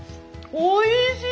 おいしい。